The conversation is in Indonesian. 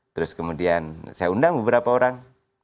terus kemudian saya undang beberapa orang